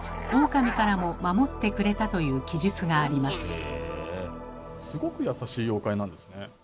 オオカミからも守ってくれたという記述があります。